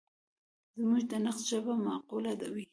زموږ د نقد ژبه معقوله وي.